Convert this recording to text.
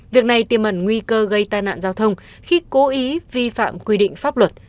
việc này tiêm ẩn nguy cơ gây tai nạn giao thông khi cố ý vi phạm quy định pháp luật